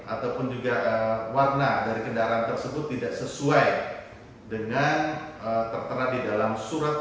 ataupun juga warna dari kendaraan tersebut tidak sesuai dengan tertera di dalam surat